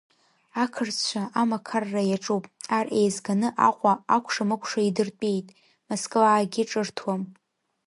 Ақырҭцәа амақарра иаҿуп, ар еизганы Аҟәа акәша-мыкәша идыртәеит, Москваагьы ҿырҭуам.